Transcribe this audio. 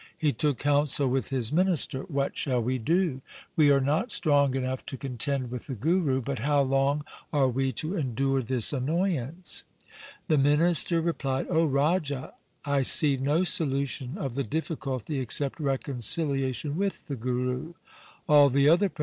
He took counsel with his minister, ' What shall we do ? We are not strong enough to contend SIKH. V E 50 THE SIKH RELIGION with the Guru, but how long are we to endure this annoyance ?' The minister replied, ' O Raja, I see no solution of the difficulty except reconciliation with the Guru.'